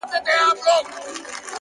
پرمختګ د ثابتو ګامونو سفر دی